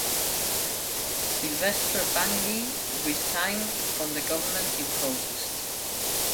Sylvestre Bangui resigned from the government in protest.